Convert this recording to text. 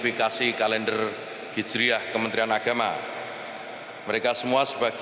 terima kasih banyak banyak oleh pakil pakilan irva haveo yang selalu melusuri